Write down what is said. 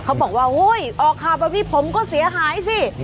เขาบอกว่าโอ้ยอคาบะพี่ผมก็เสียหายสิ